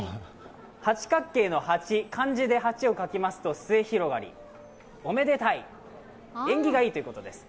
八角形の八、漢字で八を書きますと末広がりおめでたい、縁起がいいということです。